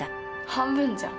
半分じゃん。